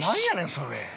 それ。